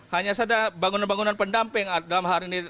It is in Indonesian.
hanya ada bangunan bangunan pendamping dalam hal ini